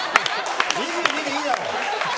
２２でいいだろ！